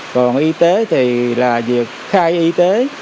còn y tế thì là việc khai y tế